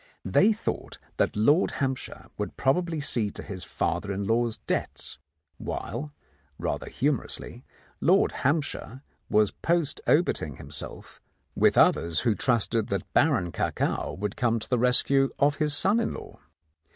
They thought that Lord Hampshire would probably see to his father in law's debts; while, rather humorously, Lord Hampshire was post obiting himself with others 4 The Countess of Lowndes Square who trusted that Baron Kakao would come to the rescue of his son in law.